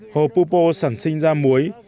hồ pupo sẵn sinh ra muối